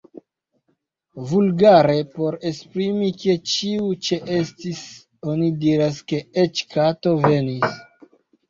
Vulgare, por esprimi, ke ĉiu ĉeestis, oni diras, ke eĉ kato venis.